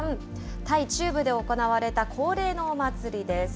タイ中部で行われた、恒例のお祭りです。